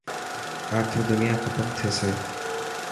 آخر دنيا ختم ٿيسي.